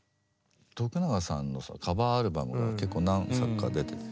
永さんのそのカバーアルバムも結構何作か出てて。